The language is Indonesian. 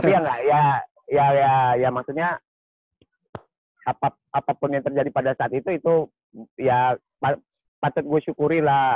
iya nggak ya maksudnya apapun yang terjadi pada saat itu itu ya patut gue syukuri lah